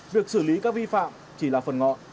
việc xử lý các vi phạm chỉ là phần ngọn